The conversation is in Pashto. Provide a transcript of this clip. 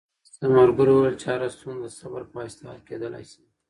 ثمرګل وویل چې هره ستونزه د صبر په واسطه حل کېدلای شي.